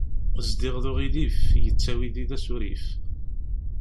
Zdiɣ d uɣilif, yettawi yid-i asurif.